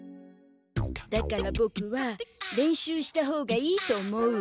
だからボクは練習した方がいいと思う。